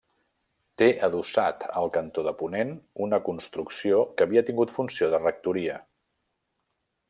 Té adossat, al cantó de ponent, una construcció que havia tingut funció de rectoria.